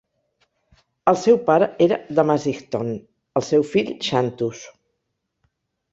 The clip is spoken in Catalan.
El seu pare era Damasichthon; el seu fill, Xanthus.